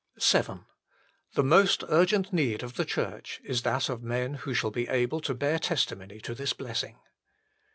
VII The most urgent need of the Church is that of men who shall be able to bear testimony to this blessing.